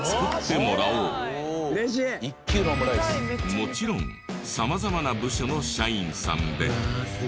もちろん様々な部署の社員さんで。